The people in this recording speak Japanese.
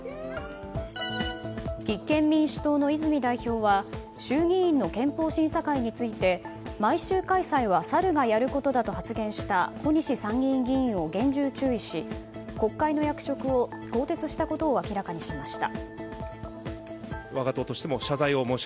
立憲民主党の泉代表は衆議院の憲法審査会について毎週開催はサルがやることだと発言した小西参議院議員を厳重注意し国会の役職を更迭したことを明らかにしました。